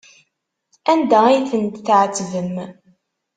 Anda ay tent-tɛettbem?